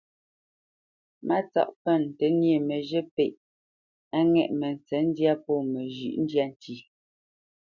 Mátsáʼ pə́nə ntə́ nyê məzhə̂ pêʼ á ŋɛ̂ʼ mətsə̌ndyâ pó məzhyə́ ndyâ ntí.